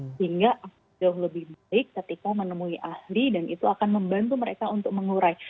sehingga jauh lebih baik ketika menemui ahli dan itu akan membantu mereka untuk mengurai